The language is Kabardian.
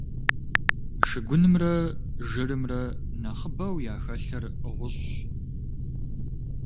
Шыгунымрэ жырымрэ нэхъыбэу яхэлъыр гъущӀщ.